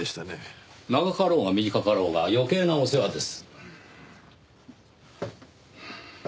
長かろうが短かろうが余計なお世話です。